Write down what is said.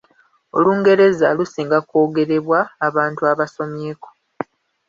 Olungereza lusinga kwogerebwa abantu abasomyeko.